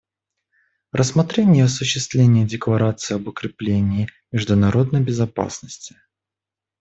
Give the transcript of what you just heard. Рассмотрение осуществления Декларации об укреплении международной безопасности.